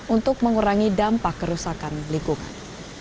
untuk mengurangi dampak kerusakan lingkungan